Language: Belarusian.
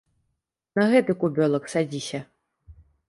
На гэты кубёлак садзіся.